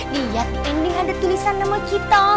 lihat di pending ada tulisan nama kita